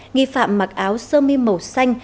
nghi phạm mặc áo sơ mi màu xanh